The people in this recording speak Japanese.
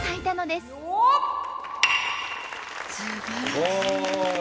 すごい！